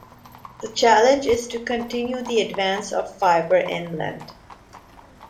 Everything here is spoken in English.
The challenge is to continue the advance of fibre inland.